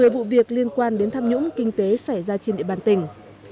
một mươi vụ việc liên quan đến tham nhũng kinh tế xảy ra trên địa bàn tỉnh